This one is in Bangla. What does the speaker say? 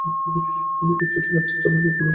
তুমি কি ছুটি কাটাচ্ছ নাকি কোনও কেসের তদন্ত করছ?